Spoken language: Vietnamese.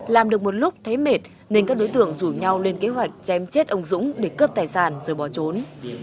làm được một lúc thấy mệt nên các đối tượng rủ nhau lên kế hoạch chém chết ông dũng để cướp tài sản rồi bỏ trốn